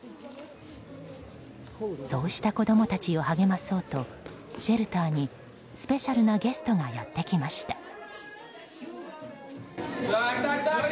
そうした子供たちを励まそうとシェルターに、スペシャルなゲストがやってきました。